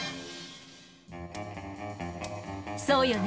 そうよね